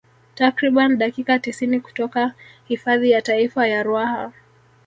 Takriban dakika tisini kutoka hifadhi ya taifa ya Ruaha